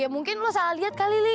ya mungkin lo salah liat kali li